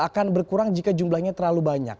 akan berkurang jika jumlahnya terlalu banyak